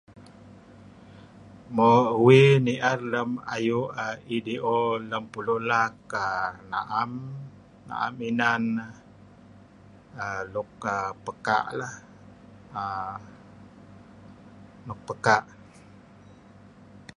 Mo uih ni'er lem ayu EDO lem pulu' laak err na'em na'em inan luk err pekaa' lah err nuk pekaa'.